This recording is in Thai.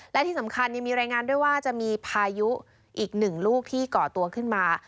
และที่สำคัญยังมีรายงานด้วยว่าจะมีพายุอีกหนึ่งลูกที่ก่อตัวขึ้นมา